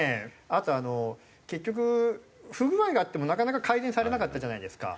あと結局不具合があってもなかなか改善されなかったじゃないですか。